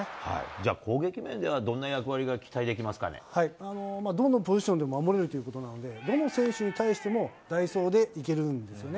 じゃあ攻撃面ではどんな役割どんなポジションでも守れるということなんで、どの選手に対しても、代走でいけるんですね。